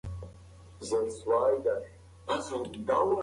که ژمی وي نو ځمکه نه ستړې کیږي.